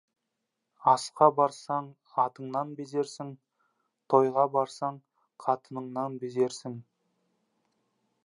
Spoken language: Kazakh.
Асқа барсаң, атыңнан безерсің, тойға барсаң, қатыныңнан безерсің.